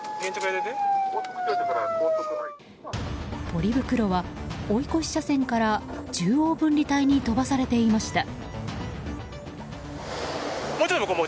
ポリ袋は、追い越し車線から中央分離帯に飛ばされていました。